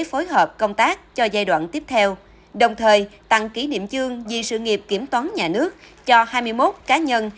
phối hợp công tác cho giai đoạn tiếp theo đồng thời tặng kỷ niệm chương vì sự nghiệp kiểm toán nhà nước cho hai mươi một cá nhân